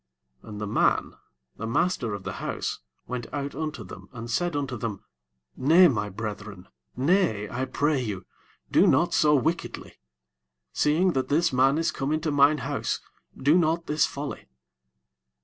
23 And the man, the master of the house, went out unto them, and said unto them, Nay, my brethren, nay, I pray you, do not so wickedly; seeing that this man is come into mine house, do not this folly.